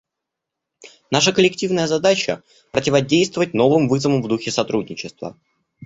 Наша коллективная задача — противодействовать новым вызовам в духе сотрудничества.